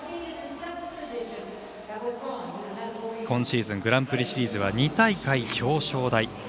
今シーズングランプリシリーズは２大会表彰台。